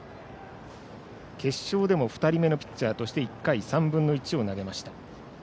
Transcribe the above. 決勝でも２人目のピッチャーとして１回３分の１を投げました。